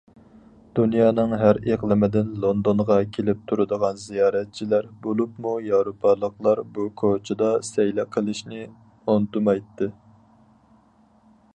دۇنيانىڭ ھەر ئىقلىمىدىن لوندونغا كېلىپ تۇرىدىغان زىيارەتچىلەر، بولۇپمۇ ياۋروپالىقلار بۇ كوچىدا سەيلە قىلىشنى ئۇنتۇمايتتى.